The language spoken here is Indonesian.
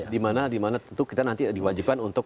di mana tentu kita nanti diwajibkan untuk